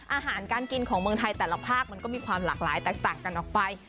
อาหารการกินของเมืองไทยแต่ละภาคมันก็มีความหลากหลายแตกต่างกันออกไป